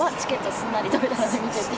すんなり取れたんで見てて。